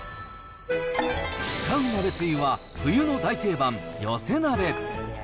使う鍋つゆは、冬の大定番、寄せ鍋。